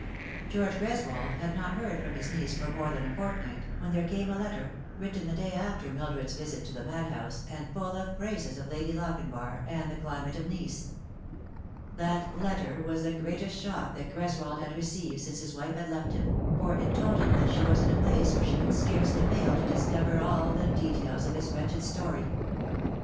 George Greswold had not heard from his niece for more than a fortnight, when there came a letter, written the day after Mildred's visit to the madhouse, and full of praises of Lady Lochinvar and the climate of Nice. That letter was the greatest shock that Greswold had received since his wife had left him, for it told him that she was in a place where she could scarcely fail to discover all the details of his wretched story.